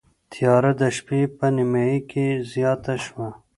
تیاره د شپې په نیمايي کې زیاته شوه.